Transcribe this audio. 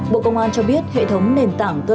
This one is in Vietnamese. bộ công an cho biết hệ thống nền tảng cơ sở